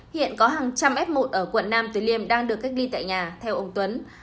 hiện có hàng trăm f một ở quận nam từ liêm đang được cách ly tại nhà theo ông tuấn